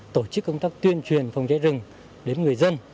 tổ chức công tác tuyên truyền phòng cháy rừng đến người dân